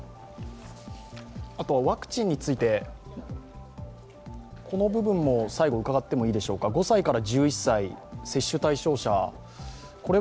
ワクチンについて、この部分も最後伺ってもいいでしょうか、５１１歳、接種対象者。